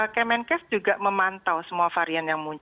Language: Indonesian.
kemenkes juga memantau semua varian